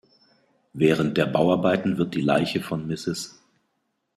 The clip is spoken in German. Während der Bauarbeiten wird die Leiche von Mrs.